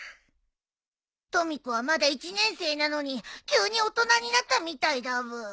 とみ子はまだ１年生なのに急に大人になったみたいだブー。